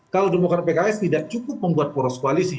kalau demokrat pks tidak cukup membuat poros koalisi